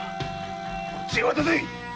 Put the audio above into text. こっちへ渡せ！